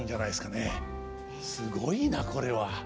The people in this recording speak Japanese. すごいなこれは！